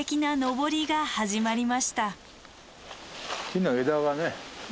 木の枝がね。